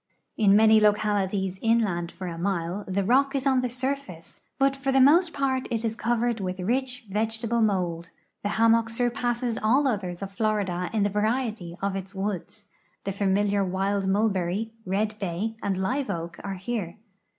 In many localities OF THE UNITED STATES 393 inland for a mile the rock is on the surface, but for the most part it is covered with rich vegetable mold. The hammock sur passes all others of Florida in the variety of its woods. The familiar wild mulberry, red bay, and liveoak are here.